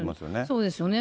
そうですよね。